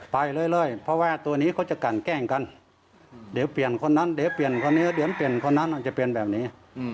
ไปเรื่อยเพราะว่าตัวนี้เขาจะกันแกล้งกันเดี๋ยวเปลี่ยนคนนั้นเดี๋ยวเปลี่ยนคนนี้เดี๋ยวเปลี่ยนคนนั้นอาจจะเป็นแบบนี้